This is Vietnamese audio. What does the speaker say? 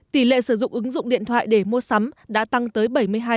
tỷ lệ sử dụng ứng dụng điện thoại để mua sắm đã tăng tới bảy mươi hai